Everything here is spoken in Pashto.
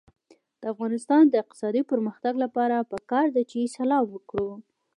د افغانستان د اقتصادي پرمختګ لپاره پکار ده چې سلام وکړو.